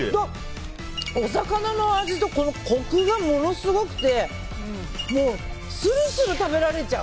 お魚の味とコクがものすごくてもうするする食べられちゃう！